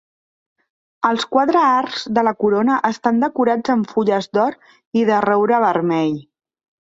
Els quatre arcs de la corona estan decorats amb fulles d'or i de roure vermell.